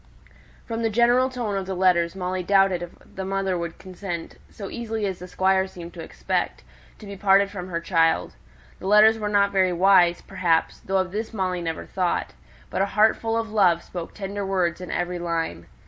From the general tone of the letters, Molly doubted if the mother would consent, so easily as the Squire seemed to expect, to be parted from her child; the letters were not very wise, perhaps (though of this Molly never thought), but a heart full of love spoke tender words in every line.